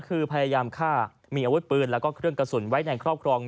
คือพยายามฆ่ามีอาวุธปืนแล้วก็เครื่องกระสุนไว้ในครอบครอง